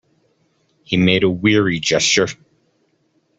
He made a weary gesture.